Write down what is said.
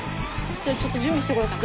じゃあちょっと準備してこようかな。